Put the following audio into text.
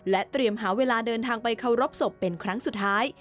เตรียมหาเวลาเดินทางไปเคารพศพเป็นครั้งสุดท้าย